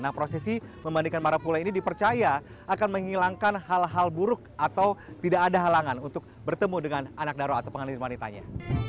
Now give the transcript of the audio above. nah prosesi memandikan marapula ini dipercaya akan menghilangkan hal hal buruk atau tidak ada halangan untuk bertemu dengan anak daro atau pengantin wanitanya